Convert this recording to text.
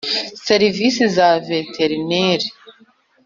Serivisi za veterineri